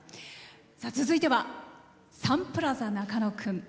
続いてはサンプラザ中野くん。